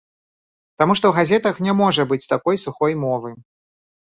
Таму што ў газетах не можа быць такой сухой мовы.